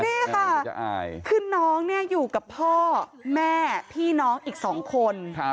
นี่ค่ะคือน้องอยู่กับพ่อแม่พี่น้องอีก๒คน